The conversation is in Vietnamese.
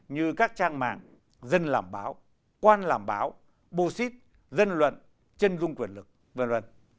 như các trang mạng dân làm báo quan làm báo bô xít dân luận chân dung quyền lực v v